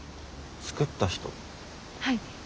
はい。